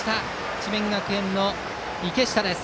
智弁学園の池下です。